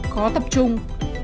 tám khó tập trung